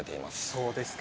そうですか。